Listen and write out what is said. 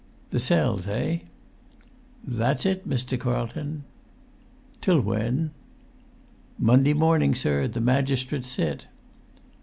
"The cells, eh?" "That's it, Mr. Carlton." "Till when?" "Monday morning, sir, the magistrates sit."